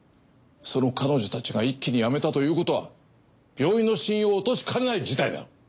その彼女たちが一気に辞めたということは病院の信用を落としかねない事態だよ。